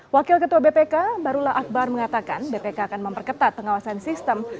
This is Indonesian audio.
wakil ketua bpk barulah akbar mengatakan bpk akan memperketat pengawasan sistem